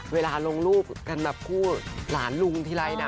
เวลาลงรูปกันพวกหลานลุงทีไร